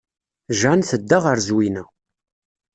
Jane tedda ɣer Zwina.